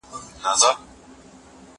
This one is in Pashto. هغه څوک چي لوښي وچوي منظم وي؟